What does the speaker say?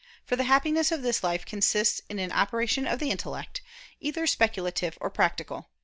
For the happiness of this life consists in an operation of the intellect, either speculative or practical.